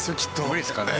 無理ですかね？